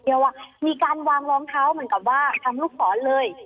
เดี๋ยวมีการวางรองเท้าเหมือนกับว่าทำลูกศรเลย